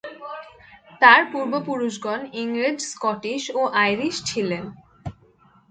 তার পূর্বপুরুষগণ ইংরেজ, স্কটিশ ও আইরিশ ছিলেন।